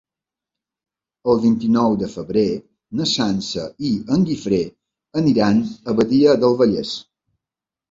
El vint-i-nou de febrer na Sança i en Guifré aniran a Badia del Vallès.